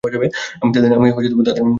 আমি তাদের মেরে ফেলেছিলাম।